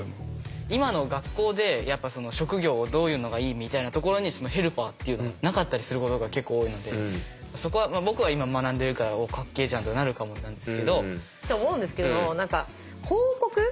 今の学校でやっぱ職業をどういうのがいいみたいなところにヘルパーっていうのがなかったりすることが結構多いのでそこは僕は今学んでいるからおっかっけえじゃんとかなるかもなんですけど。